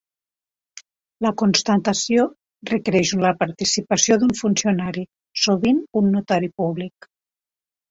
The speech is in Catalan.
La constatació requereix la participació d'un funcionari, sovint un notari públic.